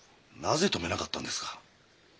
なぜ止めなかったんですか。